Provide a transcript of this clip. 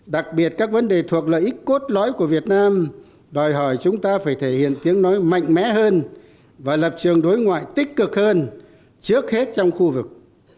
đặc biệt các vấn đề thuộc lợi ích cốt lõi của việt nam đòi hỏi chúng ta phải thể hiện tiếng nói mạnh mẽ hơn và lập trường đối ngoại tích cực hơn trước hết trong khu vực